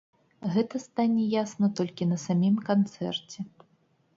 Гэта стане ясна толькі на самім канцэрце.